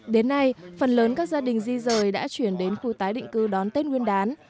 đến nay phần lớn các gia đình di rời đã chuyển đến khu tái định cư đón tết nguyên đán